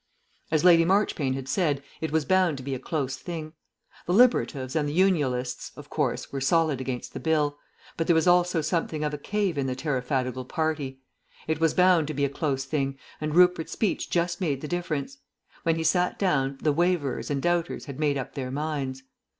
As Lady Marchpane had said, it was bound to be a close thing. The Liberatives and the Unialists, of course, were solid against the Bill, but there was also something of a cave in the Tariffadical Party. It was bound to be a close thing, and Rupert's speech just made the difference. When he sat down the waverers and doubters had made up their minds.